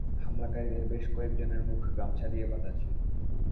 হামলাকারীদের বেশ কয়েকজনের মুখ গামছা দিয়ে বাঁধা ছিল।